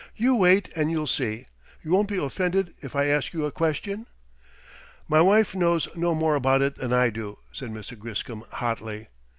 "You wait, and you'll see. You won't be offended if I ask you a question?" "My wife knows no more about it than I do," said Mr. Griscom hotly.